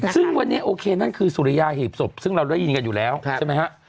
ซึ่งวันนี้โอเคนั่นคือสุริยาหีบศพซึ่งเราได้ยินกันอยู่แล้วใช่ไหมฮะ